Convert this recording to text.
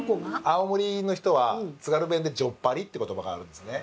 青森の人は津軽弁で「じょっぱり」って言葉があるんですね。